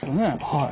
はい。